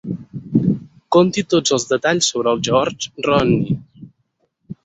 Conti tots els detalls sobre el George Rooney.